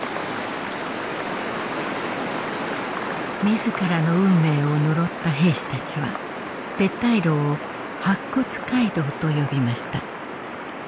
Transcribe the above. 自らの運命を呪った兵士たちは撤退路を白骨街道と呼びました。